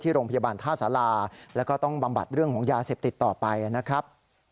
โรงพยาบาลท่าสาราแล้วก็ต้องบำบัดเรื่องของยาเสพติดต่อไปนะครับ